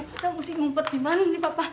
kita mesti ngumpet di mana ini papa